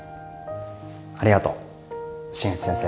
ありがとう新内先生。